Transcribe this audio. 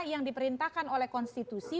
yang diperintahkan oleh konstitusi